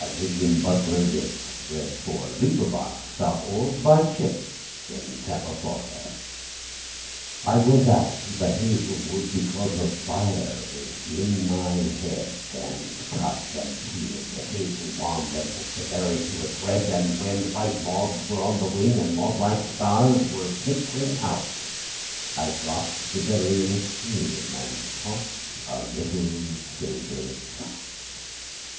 William Butler Yeats The Song of Wandering Aengus I WENT out to the hazel wood, Because a fire was in my head, And cut and peeled a hazel wand, And hooked a berry to a thread; And when white moths were on the wing, And moth like stars were flickering out, I dropped the berry in a stream And caught a little silver trout.